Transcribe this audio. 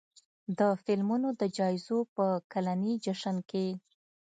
د فلمونو د جایزو په کلني جشن کې